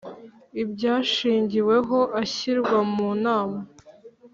ibyashingiweho ashyirwa mu Nama